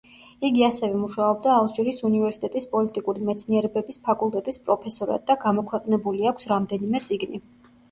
იგი ასევე მუშაობდა ალჟირის უნივერსიტეტის პოლიტიკური მეცნიერებების ფაკულტეტის პროფესორად და გამოქვეყნებული აქვს რამდენიმე წიგნი.